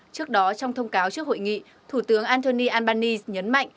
trước đó trong thông cáo trước hội nghị thủ tướng anthony albanese nhấn mạnh